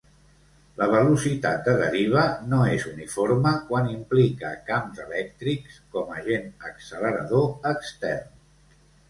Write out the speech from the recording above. La velocitat de deriva no és uniforme quan implica camps elèctrics com agent accelerador extern.